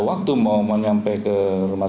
waktu mau nyampe ke rumah